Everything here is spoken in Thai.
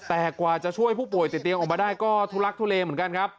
แต่กว่าจะช่วยผู้ป่วยติดเตียงออกมาได้ก็ทุลักทุเลเหมือนกันครับ